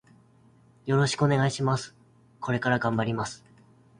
よろしくお願いします。これから頑張ります。